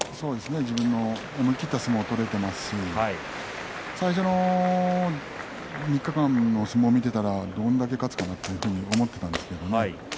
自分の思い切った相撲が取れていますし最初の３日間の相撲を見ていたらどれだけ勝つかなというふうに思っていたんですけどね